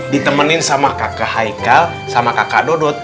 ditemenin sama kakak haikal sama kakak dodot